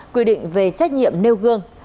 quy định về trách nhiệm nêu gương